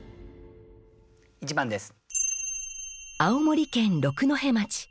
１番です。